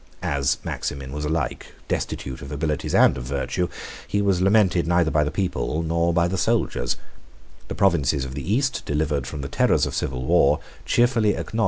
As Maximin was alike destitute of abilities and of virtue, he was lamented neither by the people nor by the soldiers. The provinces of the East, delivered from the terrors of civil war, cheerfully acknowledged the authority of Licinius.